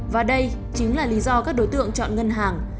và đây chính là lý do các đối tượng chọn ngân hàng